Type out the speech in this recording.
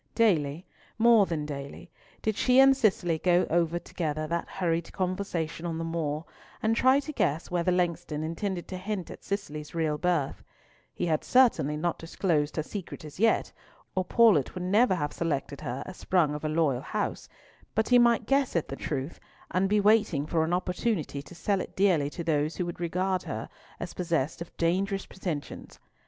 Daily—more than daily—did she and Cicely go over together that hurried conversation on the moor, and try to guess whether Langston intended to hint at Cicely's real birth. He had certainly not disclosed her secret as yet, or Paulett would never have selected her as sprung of a loyal house, but he might guess at the truth, and be waiting for an opportunity to sell it dearly to those who would regard her as possessed of dangerous pretensions.